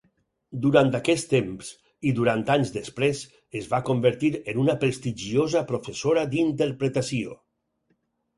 Durant aquest temps, i durant anys després, es va convertir en una prestigiosa professora d'interpretació.